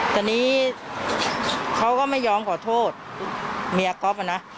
ตอนนี้เขาก็ไม่ยอมขอโทษเมียก๊อฟนะ